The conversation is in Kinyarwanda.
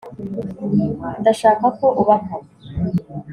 ndashaka ko uba papa